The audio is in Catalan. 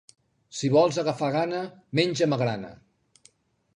Si vols agafar gana, menja magrana.